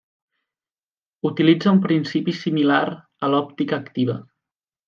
Utilitza un principi similar a l'òptica activa.